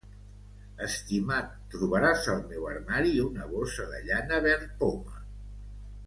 Estimat, trobaràs al meu armari una bossa de llana verd poma.